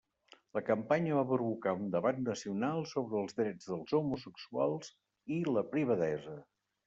La campanya va provocar un debat nacional sobre els drets dels homosexuals i la privadesa.